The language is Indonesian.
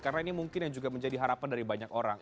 karena ini mungkin yang juga menjadi harapan dari banyak orang